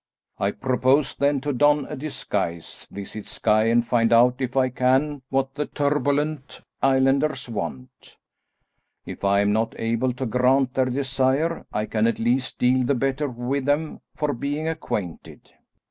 I propose then to don a disguise, visit Skye, and find out if I can what the turbulent islanders want. If I am not able to grant their desire, I can at least deal the better with them for being acquainted."